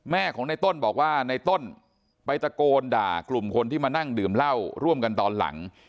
ของในต้นบอกว่าในต้นไปตะโกนด่ากลุ่มคนที่มานั่งดื่มเหล้าร่วมกันตอนหลัง